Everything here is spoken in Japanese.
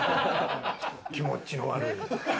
気持ち悪い！